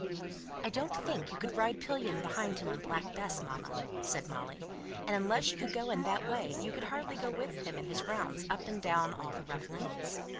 "I don't think you could ride pillion behind him on Black Bess, mamma," said Molly. "And unless you could do that, you could hardly go with him in his rounds up and down all the rough lanes."